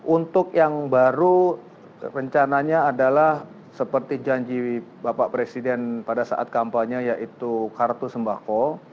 untuk yang baru rencananya adalah seperti janji bapak presiden pada saat kampanye yaitu kartu sembako